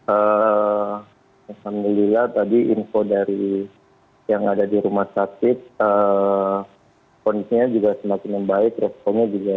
alhamdulillah tadi info dari yang ada di rumah sakit kondisinya juga semakin membaik responnya juga